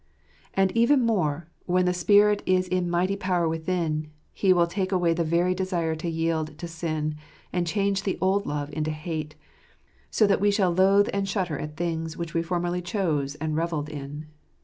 And even more, when the Spirit is in mighty power within, He will take away the very desire to yield to sin, and change the old love into hate, so that we shall loathe and shudder at things which we formerly chose and revelled in.